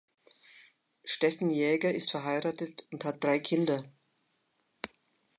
Steffen Jäger ist verheiratet und hat drei Kinder.